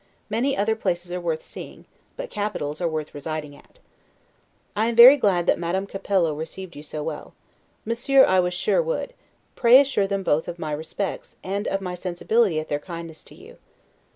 Many other places are worth seeing, but capitals only are worth residing at. I am very glad that Madame Capello received you so well. Monsieur I was sure would: pray assure them both of my respects, and of my sensibility of their kindness to you.